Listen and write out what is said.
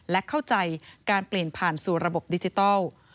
และเข้าใจการเปลี่ยนผ่านสู่ระบบดิจิทัล